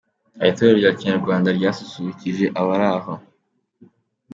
Hari itorero rya kinyarwanda ryasusurukije abari aho.